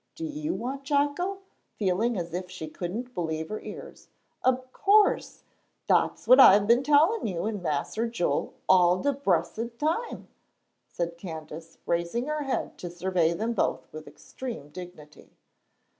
"Do you want Jocko?" feeling as if she couldn't believe her ears. "Ob course; dat's what I've been tellin' you and Mas'r Joel all de bressed time," said Candace, raising her head to survey them both with extreme dignity.